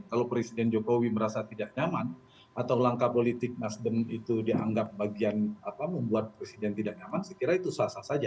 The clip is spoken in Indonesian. kalau presiden jokowi merasa tidak nyaman atau langkah politik nasdem itu dianggap bagian membuat presiden tidak nyaman saya kira itu sah sah saja